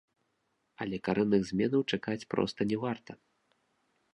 Але карэнных зменаў чакаць проста не варта.